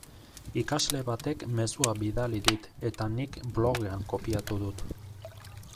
Ikasle batek mezua bidali dit eta nik blogean kopiatu dut.